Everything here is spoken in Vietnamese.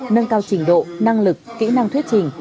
nâng cao trình độ năng lực kỹ năng thuyết trình